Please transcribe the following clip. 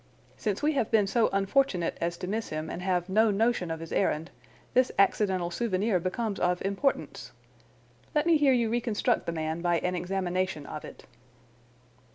Since we have been so unfortunate as to miss him and have no notion of his errand, this accidental souvenir becomes of importance. Let me hear you reconstruct the man by an examination of it."